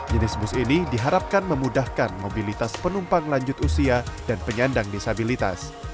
jenis bus ini diharapkan memudahkan mobilitas penumpang lanjut usia dan penyandang disabilitas